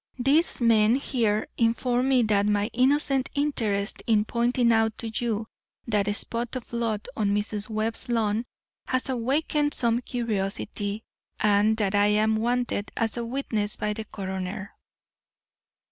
These men here inform me that my innocent interest in pointing out to you that spot of blood on Mrs. Webb's lawn has awakened some curiosity, and that I am wanted as a witness by the coroner."